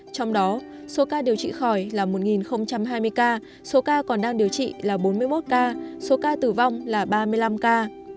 trong đó số ca điều trị khỏi là một hai mươi ca số ca còn đang điều trị là bốn mươi một ca số ca tử vong là ba mươi năm ca